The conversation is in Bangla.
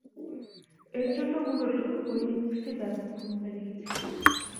এরজন্য মূলতঃ ঐ ইনিংসটি ব্যাপক ভূমিকা রেখেছিল।